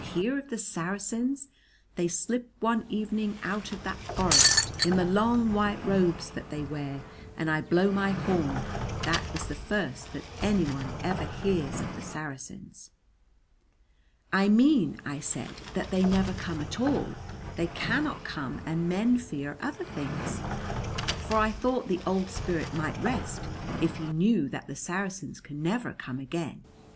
"Hear of the Saracens! They slip one evening out of that forest, in the long white robes that they wear, and I blow my horn. That is the first that anyone ever hears of the Saracens." "I mean," I said, "that they never come at all. They cannot come and men fear other things." For I thought the old spirit might rest if he knew that the Saracens can never come again.